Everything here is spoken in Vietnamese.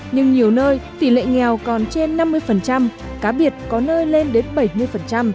nhưng nhiều nơi tỷ lệ nghèo còn trên năm mươi cá biệt có nơi lên đến bảy mươi